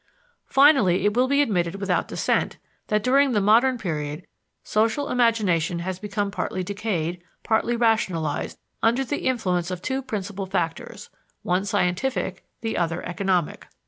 Finally, it will be admitted without dissent that during the modern period social imagination has become partly decayed, partly rationalized, under the influence of two principal factors one scientific, the other economic.